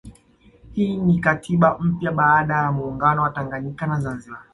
Hii ni katiba mpya baada ya muungano wa Tanganyika na Zanzibari